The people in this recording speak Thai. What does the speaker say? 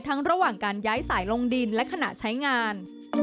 ระหว่างการย้ายสายลงดินและขณะใช้งาน